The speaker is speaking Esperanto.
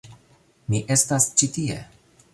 Mi estas ĉi tie...